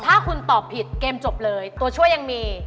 ถ้าคุณตอบผิดเกมจบเลยตัวช่วยยังมี